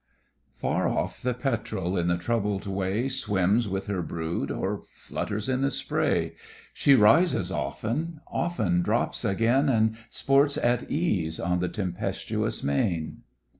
Far off the Petrel in the troubled way Swims with her brood, or flutters in the spray; She rises often, often drops again, And sports at ease on the tempestuous main.